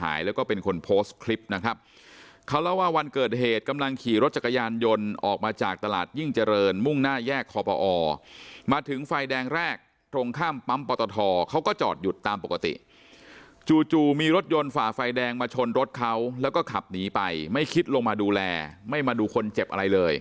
หายแล้วก็เป็นคนโพสต์คลิปนะครับเขาเล่าว่าวันเกิดเหตุกำลังขี่รถจักรยานยนต์ออกมาจากตลาดยิ่งเจริญมุ่งหน้าแยกคอปอมาถึงไฟแดงแรกตรงข้ามปั๊มปตทเขาก็จอดหยุดตามปกติจู่จู่มีรถยนต์ฝ่าไฟแดงมาชนรถเขาแล้วก็ขับหนีไปไม่คิดลงมาดูแลไม่มาดูคนเจ็บอะไรเลย